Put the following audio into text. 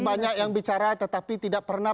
banyak yang bicara tetapi tidak pernah